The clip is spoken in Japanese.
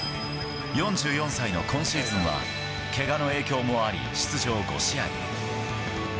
４４歳の今シーズンは、けがの影響もあり出場５試合。